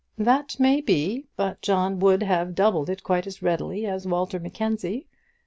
"That may be; but John would have doubled it quite as readily as Walter Mackenzie.